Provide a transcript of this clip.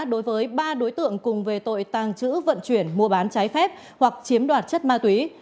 đối với ba đối tượng cùng về tội tàng trữ vận chuyển mua bán trái phép hoặc chiếm đoạt chất ma túy